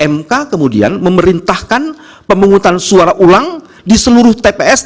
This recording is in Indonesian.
mk kemudian memerintahkan pemungutan suara ulang di seluruh tps